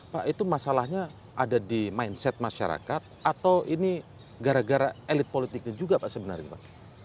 pak itu masalahnya ada di mindset masyarakat atau ini gara gara elit politiknya juga pak sebenarnya pak